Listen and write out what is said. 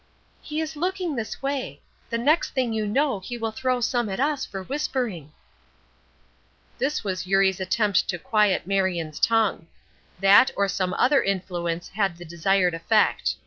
"He is looking this way. The next thing you know he will throw some at us for whispering." This was Ernie's attempt to quiet Marion's tongue. That or some other influence had the desired effect.